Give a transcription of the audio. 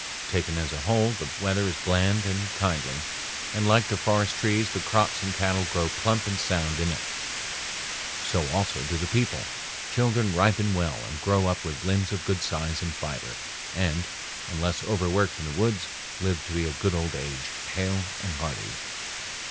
Taken as a whole, the weather is bland and kindly, and like the forest trees the crops and cattle grow plump and sound in it. So also do the people; children ripen well and grow up with limbs of good size and fiber and, unless overworked in the woods, live to a good old age, hale and hearty.